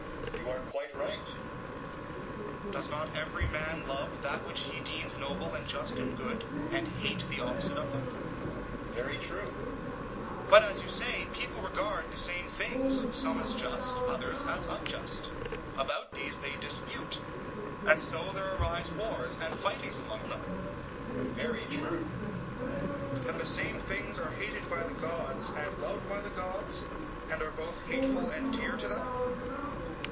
EUTHYPHRO: You are quite right. SOCRATES: Does not every man love that which he deems noble and just and good, and hate the opposite of them? EUTHYPHRO: Very true. SOCRATES: But, as you say, people regard the same things, some as just and others as unjust, about these they dispute; and so there arise wars and fightings among them. EUTHYPHRO: Very true. SOCRATES: Then the same things are hated by the gods and loved by the gods, and are both hateful and dear to them?